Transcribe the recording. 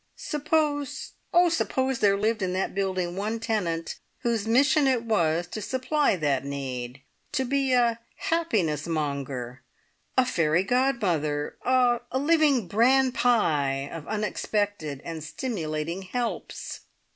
Suppose oh, suppose there lived in that building one tenant whose mission it was to supply that need, to be a Happiness Monger, a Fairy Godmother, a a a living bran pie of unexpected and stimulating helps.